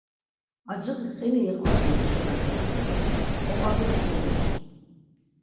“Aciği qini iqvaşi iç̆k̆omen,” ya tkvu do oqondinus kogyoç̆k̆u.